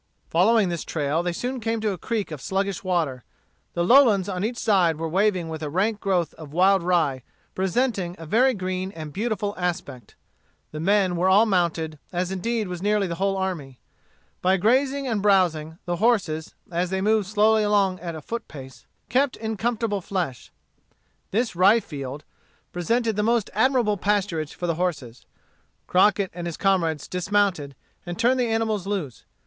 Following this trail, they soon came to a creek of sluggish water. The lowlands on each side were waving with a rank growth of wild rye, presenting a very green and beautiful aspect. The men were all mounted, as indeed was nearly the whole army. By grazing and browsing, the horses, as they moved slowly along at a foot pace, kept in comfortable flesh. This rye field presented the most admirable pasturage for the horses. Crockett and his comrades dismounted, and turned the animals loose.